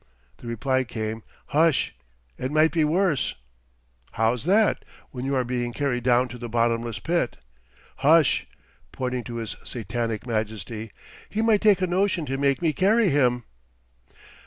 The reply came: "Hush, it might be worse." "How's that, when you are being carried down to the bottomless pit?" "Hush" pointing to his Satanic Majesty "he might take a notion to make me carry him."